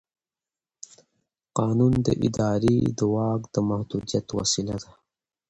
قانون د ادارې د واک د محدودیت وسیله ده.